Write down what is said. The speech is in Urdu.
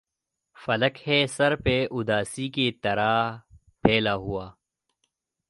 فلک ہے سر پہ اُداسی کی طرح پھیلا ہُوا